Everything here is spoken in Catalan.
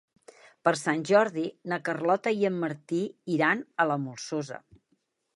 Per Sant Jordi na Carlota i en Martí iran a la Molsosa.